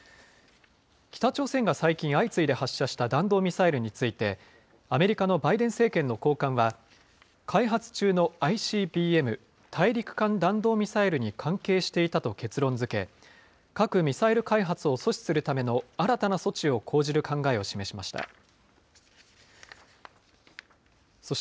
北朝鮮が最近、相次いで発射した弾道ミサイルについて、アメリカのバイデン政権の高官は、開発中のＩＣＢＭ・大陸間弾道ミサイルに関係していたと結論づけ、核・ミサイル開発を阻止するための新たな措置を講じる考えを示しました。